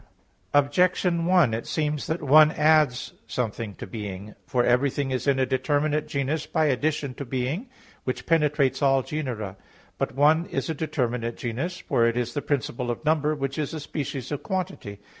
Objection 1: It seems that "one" adds something to "being." For everything is in a determinate genus by addition to being, which penetrates all genera. But "one" is a determinate genus, for it is the principle of number, which is a species of quantity.